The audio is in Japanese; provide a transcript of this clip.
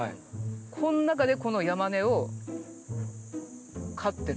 この中でこのヤマネを飼ってる。